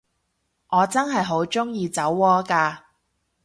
我真係好鍾意酒窩㗎